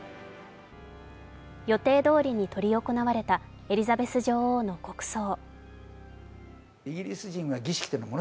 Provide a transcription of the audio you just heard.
予定どおりに執り行われたエリザベス女王の国葬。